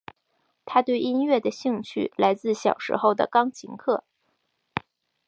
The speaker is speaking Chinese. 她对音乐的兴趣来自小时候的钢琴课。